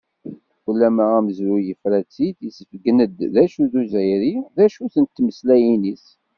Ulamma amezruy, yefra-tt-id, isebggen-d d acu-t Uzzayri, d acu-tent tmeslayin-is.